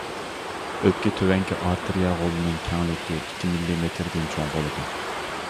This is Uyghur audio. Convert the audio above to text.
ئۆپكە تۆۋەنكى ئارتېرىيە غولىنىڭ كەڭلىكى ئىككى مىللىمېتىردىن چوڭ بولىدۇ.